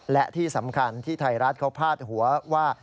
และที่สำคัญที่ไทยรัฐเขาพาดหัวว่า